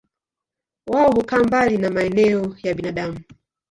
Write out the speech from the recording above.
Wao hukaa mbali na maeneo ya binadamu.